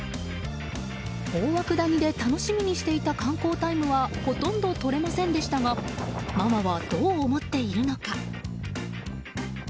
大涌谷で楽しみにしていた観光タイムはほとんどとれませんでしたがママはどう思っているのか。